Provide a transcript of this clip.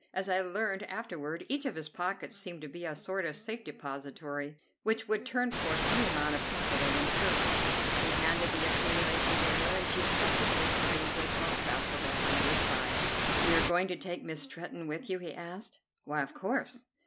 As I learned afterward, each of his pockets seemed to be a sort of safe depository, which would turn forth any amount of capital when searched. He handed the accumulation to her, and she stuffed it hastily into a small satchel that hung at her side. "You are going to take Miss Stretton with you?" he asked. "Why, of course."